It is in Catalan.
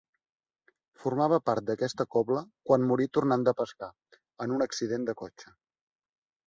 Formava part d'aquesta cobla quan morí tornant de pescar, en un accident de cotxe.